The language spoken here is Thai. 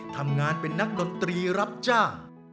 ทำงานเป็นนักดนตรีรับจ้าง